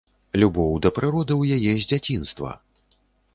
Любоў да прыроды ў яе з дзяцінства.